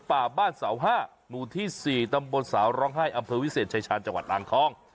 ป่าบ้านเสาห้าหมู่ที่๔ตำบลสาวร้องไห้อำเภอวิเศษชายชาญจังหวัดอ่างทอง